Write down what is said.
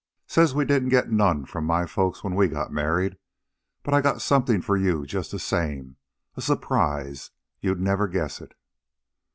Says we didn't get none from my folks when we got married. But I got something for you just the same. A surprise. You'd never guess it."